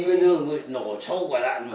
khuyến lương nổ sáu quả đạn